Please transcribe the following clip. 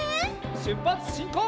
しゅっぱつしんこう！